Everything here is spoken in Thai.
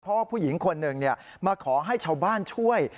เพราะว่าผู้หญิงคนหนึ่งมาขอให้ชาวบ้านช่วย